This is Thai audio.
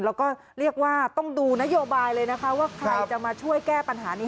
แล้วก็เรียกว่าต้องดูนโยบายเลยนะคะว่าใครจะมาช่วยแก้ปัญหานี้